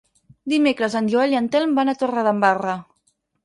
Dimecres en Joel i en Telm van a Torredembarra.